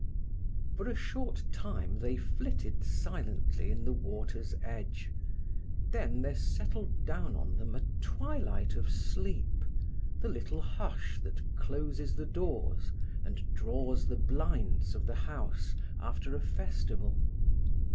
For a short time they flitted silently in the water's edge. Then there settled down on them a twilight of sleep, the little hush that closes the doors and draws the blinds of the house after a festival.